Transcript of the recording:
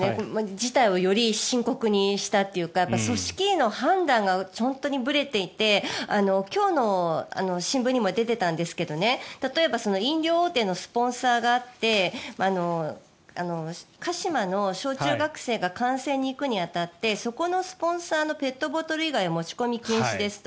事態をより深刻にしたというか組織委の判断が本当にぶれていて今日の新聞にも出てたんですけど例えば飲料大手のスポンサーがあって鹿島の小中学生が観戦に行くに当たってそこのスポンサーのペットボトル以外持ち込み禁止ですと。